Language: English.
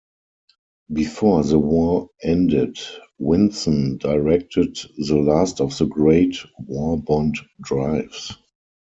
Before the war ended, Vinson directed the last of the great war-bond drives.